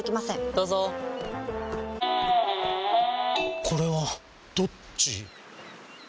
どうぞこれはどっち？